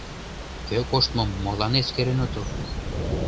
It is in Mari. Кӧ коштмым молан эскерен отыл?